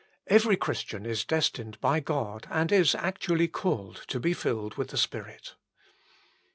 Every Christian is destined by God, and is actually called, to be filled with the Spirit.